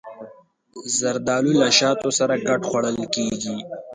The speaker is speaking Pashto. زردالو له شاتو سره ګډ خوړل کېږي.